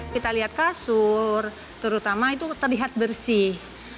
kita lihat kasur terutama itu terlihat bersih